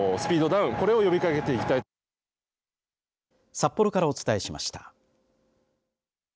札幌からお伝えしました。